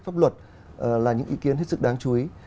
pháp luật là những ý kiến hết sức đáng chú ý